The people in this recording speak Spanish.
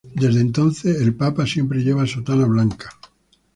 Desde entonces, el papa siempre lleva sotana blanca.